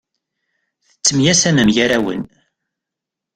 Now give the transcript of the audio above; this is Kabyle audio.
Tettemyasamem gar-awen.